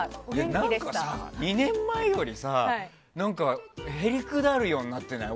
何かさ２年前よりさへりくだるようになってない？